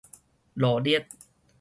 羅列